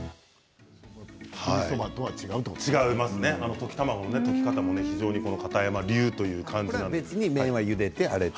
溶き卵の溶き方も非常に片山流っていう感じでした。